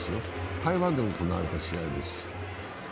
台湾で行われた試合です。